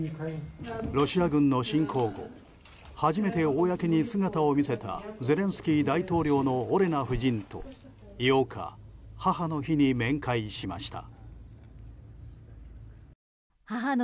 ロシア軍の侵攻後初めて公に姿を見せたゼレンスキー大統領のオレナ夫人と８日、母の日に面会しました。